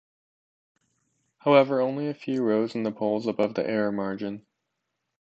However, only a few rose in the polls above the error margin.